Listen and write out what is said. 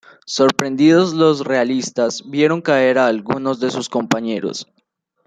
Sorprendidos los realistas vieron caer a algunos de sus compañeros.